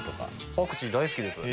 パクチー大好きです。